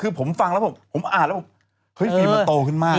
คือผมฟังผมอ่านแล้วพี่คลิปมาโตขึ้นมาก